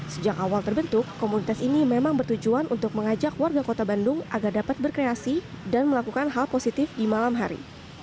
sejak awal terbentuk komunitas ini memang bertujuan untuk mengajak warga kota bandung agar dapat berkreasi dan melakukan hal positif di malam hari